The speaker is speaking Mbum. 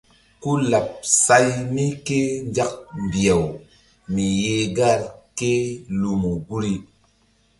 Ku laɓ say mí ké nzak mbih-aw mi yeh gar ké lumu guri.